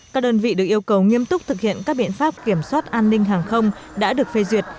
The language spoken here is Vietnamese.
các đơn vị được yêu cầu nghiêm túc thực hiện các biện pháp kiểm soát an ninh hàng không đã được phê duyệt